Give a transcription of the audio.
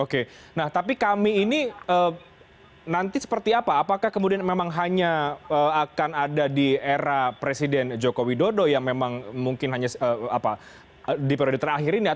oke nah tapi kami ini nanti seperti apa apakah kemudian memang hanya akan ada di era presiden joko widodo yang memang mungkin hanya di periode terakhir ini